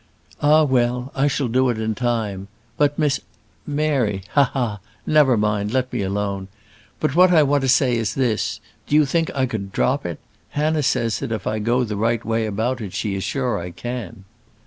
"Ah, well! I shall do it in time. But, Miss Mary, ha! ha! ha! never mind, let me alone. But what I want to say is this: do you think I could drop it? Hannah says, that if I go the right way about it she is sure I can."